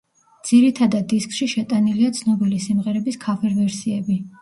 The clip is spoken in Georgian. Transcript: ძირითადად დისკში შეტანილია ცნობილი სიმღერების ქავერ-ვერსიები.